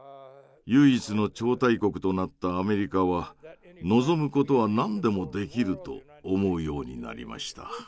唯一の超大国となったアメリカは望むことは何でもできると思うようになりました。